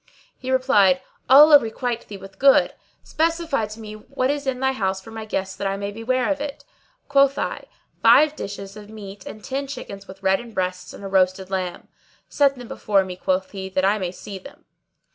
He replied, "Allah requite thee with good! Specify to me what is in thy house for my guests that I may be ware of it." Quoth I, "Five dishes of meat and ten chickens with reddened breasts[FN#618] and a roasted lamb." "Set them before me," quoth he "that I may see them."